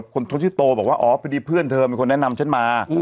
คนที่ชื่อโตบอกว่าอ๋อพอดีเพื่อนเธอเป็นคนแนะนำฉันมา